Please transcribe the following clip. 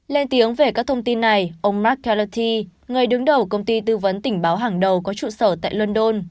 lên tiếng về các thông tin này ông mark kallati người đứng đầu công ty tư vấn tình báo hàng đầu có trụ sở tại london